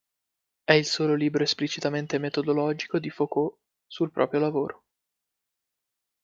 È il solo libro esplicitamente metodologico di Foucault sul proprio lavoro.